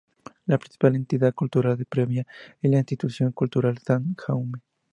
La principal entidad cultural de Premiá es la Institución Cultural Sant Jaume.